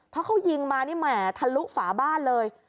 พอเขายิงมาเนี่ยแหม่ทะลุฝาบ้านเลย